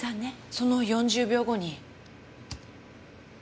その４０秒後に。